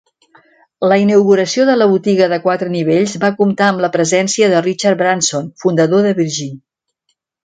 La inauguració de la botiga de quatre nivells va comptar amb la presència de Richard Branson, fundador de Virgin.